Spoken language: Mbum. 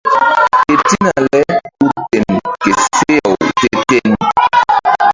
Ketina le ku ten ke seh-aw te-ten.